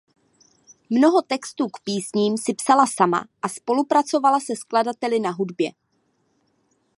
Mnoho textů k písním si psala sama a spolupracovala se skladateli na hudbě.